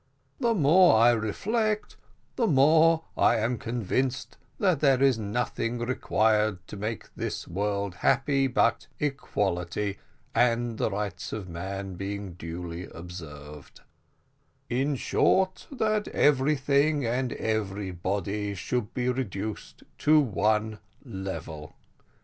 "The more I reflect the more am I convinced that there is nothing required to make this world happy but equality, and the rights of man being duly observed in short, that everything and everybody should be reduced to one level.